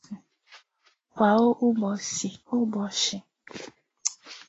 kwa ụbọchị